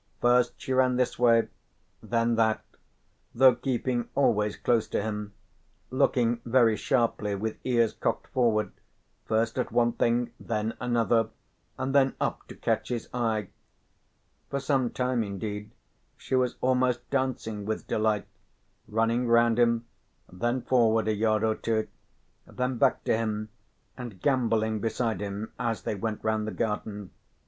First she ran this way, then that, though keeping always close to him, looking very sharply with ears cocked forward first at one thing, then another and then up to catch his eye. For some time indeed she was almost dancing with delight, running round him, then forward a yard or two, then back to him and gambolling beside him as they went round the garden.